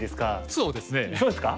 そうですか？